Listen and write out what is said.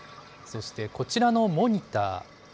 そしてこちらのモニター。